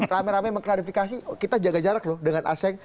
rame rame mengklarifikasi kita jaga jarak loh dengan aseng